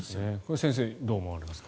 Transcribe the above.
先生、どう思われますか。